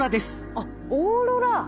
あっオーロラ！